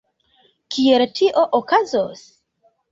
Kiel tio okazos?